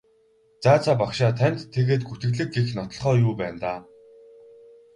За за багшаа танд тэгээд гүтгэлэг гэх нотолгоо юу байна даа?